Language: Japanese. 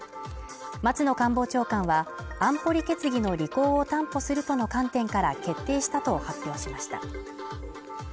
松野官房長官は、安保理決議の履行を担保するとの観点から決定したと発表しました。